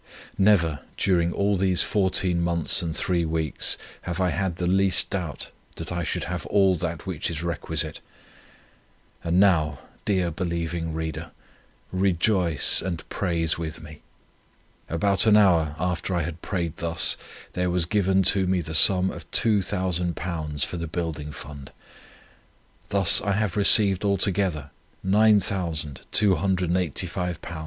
Never, during all these 14 months and 3 weeks, have I had the least doubt, that I should have all that which is requisite. And now, dear believing reader, rejoice and praise with me. About an hour, after I had prayed thus, there was given to me the sum of Two Thousand Pounds for the Building Fund. Thus I have received altogether £9,285 3s.